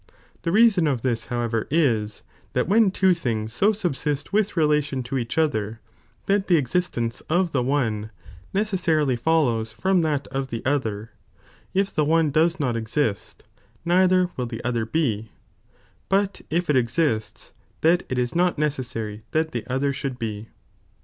The reason of this however is, that when two things^ bo Bub eist with relation to each other, that the existence of the one necessarily follows from that of the other, if the one * does exist, neither will the other he,* hut if it^ exists that it is necessary that the other' should be.